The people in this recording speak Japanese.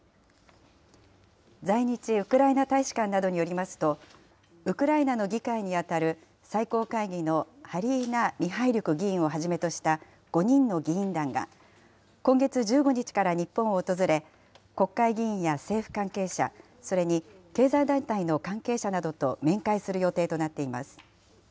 在日ウクライナ大使館などによりますと、ウクライナの議会に当たる最高会議のハリーナ・ミハイリュク議員をはじめとした５人の議員団が、今月１５日から日本を訪れ、国会議員や政府関係者、それに経済団体の関係者などと面会する予定となっています。